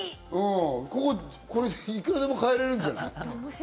これ、いくらでも変えられるんじゃない？